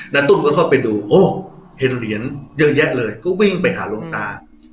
ตุ้มก็เข้าไปดูโอ้เห็นเหรียญเยอะแยะเลยก็วิ่งไปหาหลวงตา